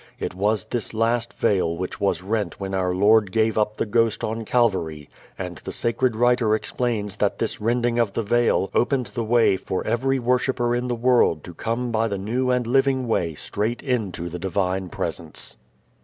It was this last veil which was rent when our Lord gave up the ghost on Calvary, and the sacred writer explains that this rending of the veil opened the way for every worshipper in the world to come by the new and living way straight into the divine Presence.